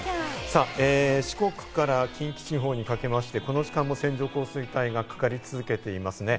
四国から近畿地方にかけてこの時間も線状降水帯がかかり続けていますね。